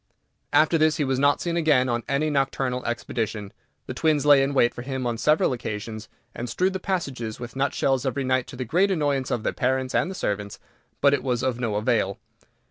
After this he was not seen again on any nocturnal expedition. The twins lay in wait for him on several occasions, and strewed the passages with nutshells every night to the great annoyance of their parents and the servants, but it was of no avail.